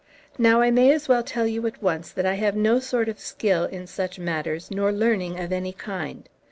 "Now I may as well tell you at once that I have no sort of skill in such matters, nor learning of any kind.